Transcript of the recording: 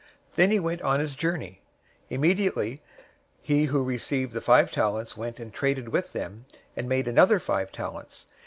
Then he went on his journey. 025:016 Immediately he who received the five talents went and traded with them, and made another five talents.